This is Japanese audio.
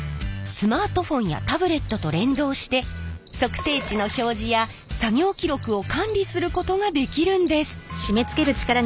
スマートフォンやタブレットと連動して測定値の表示や作業記録を管理することができるんです。